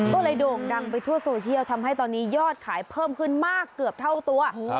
ก็เลยโด่งดังไปทั่วโซเชียลทำให้ตอนนี้ยอดขายเพิ่มขึ้นมากเกือบเท่าตัว